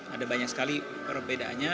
ada banyak sekali perbedaannya